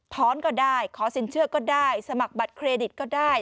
ก็ได้ขอสินเชื่อก็ได้สมัครบัตรเครดิตก็ได้